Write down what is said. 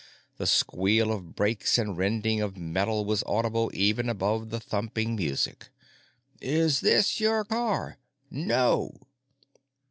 The squeal of brakes and rending of metal was audible even above the thumping music: "Is this your car?" "NO!"